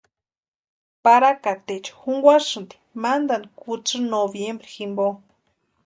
Parakateecha junkwasínti mantani kutsï noviembre jimpo.